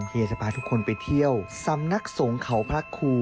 เฮียจะพาทุกคนไปเที่ยวสำนักสงฆ์เขาพระครู